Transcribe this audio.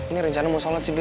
ini rencana mau sholat sih